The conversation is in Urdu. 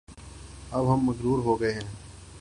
اب ہم معزز ہو گئے ہیں